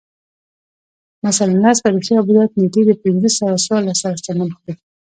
مثلاً لس تاریخي آبدات نېټې د پنځه سوه څوارلس سره سمون خوري